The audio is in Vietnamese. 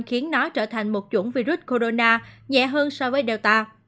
khiến nó trở thành một chủng virus corona nhẹ hơn so với delta